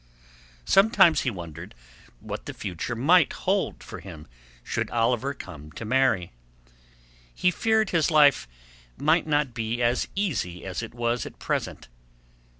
Sometimes he wondered what the future might hold for him should Oliver come to marry. He feared his life might not be as easy as it was at present.